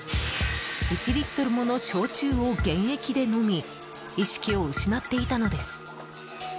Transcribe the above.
１リットルもの焼酎を原液で飲み意識を失っていたのです。